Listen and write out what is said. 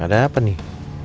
ada apa nih